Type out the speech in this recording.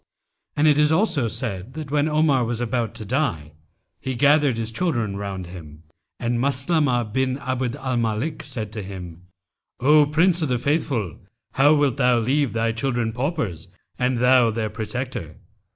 '[FN#289] And it is also said that when Omar was about to die, he gathered his children round him, and Maslamah[FN#290] bin Abd al Malik said to him, 'O Prince of the Faithful, how wilt thou leave thy children paupers and thou their protector?